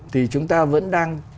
thì chúng ta vẫn đang